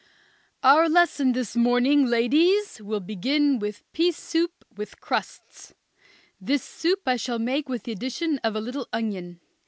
Our lesson this morning, ladies, will begin with pea soup with crusts. This soup I shall make with the addition of a little onion.